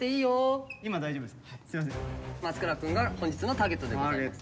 松倉君が本日のターゲットでございます。